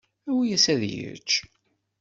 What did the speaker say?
Awi-yas ad yečč.